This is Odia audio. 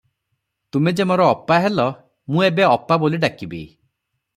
ତୁମେ ଯେ ମୋ ଅପା ହେଲ, ମୁଁ ଏବେ ଅପା ବୋଲି ଡାକିବି ।